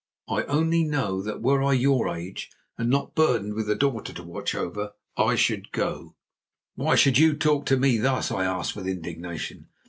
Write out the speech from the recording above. I only know that were I your age and not burdened with a daughter to watch over, I should go." "Why should you talk to me thus?" I asked with indignation.